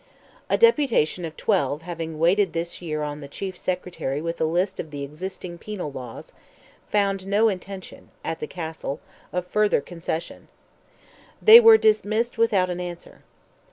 A deputation of twelve having waited this year on the Chief Secretary with a list of the existing penal laws, found no intention, at the Castle, of further concession. They were "dismissed without an answer."